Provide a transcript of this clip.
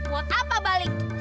muat apa balik